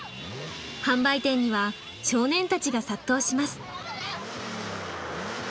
販売店には少年たちが殺到します。